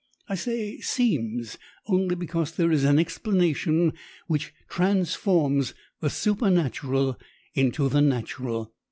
I say 'seems' only because there is an explanation which re transforms the supernatural into the natural.